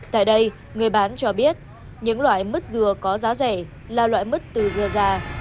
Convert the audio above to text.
tại đây người bán cho biết những loại mứt dừa có giá rẻ là loại mứt từ dừa ra